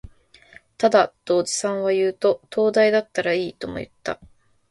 ただ、とおじさんは言うと、灯台だったらいい、とも言った